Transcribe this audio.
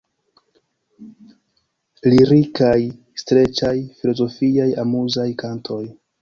Lirikaj, streĉaj, filozofiaj, amuzaj kantoj.